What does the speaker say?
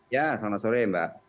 ya selamat sore mbak